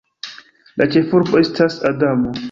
La ĉefurbo estas Adamo.